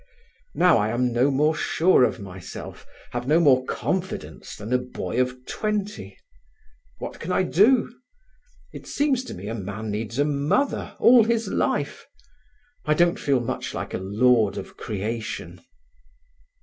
Now I am no more sure of myself, have no more confidence than a boy of twenty. What can I do? It seems to me a man needs a mother all his life. I don't feel much like a lord of creation."